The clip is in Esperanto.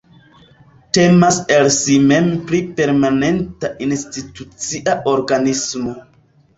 Temas el si mem pri permanenta institucia organismo.